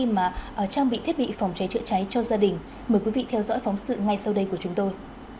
mời quý vị theo dõi phóng sự ngay sau đây của chúng tôi